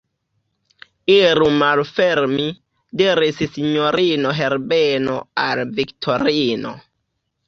Iru malfermi, diris sinjorino Herbeno al Viktorino.